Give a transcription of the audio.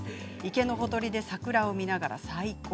池のほとりで桜を見ながら最高。